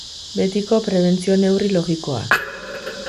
Betiko prebentzio neurri logikoak.